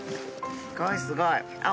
すごいすごい。